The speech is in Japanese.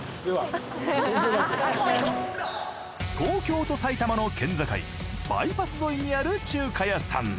東京と埼玉の県境バイパス沿いにある中華屋さん。